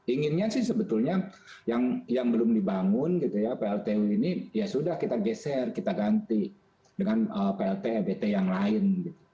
inginnya sih sebetulnya yang belum dibangun gitu ya pltu ini ya sudah kita geser kita ganti dengan plt ebt yang lain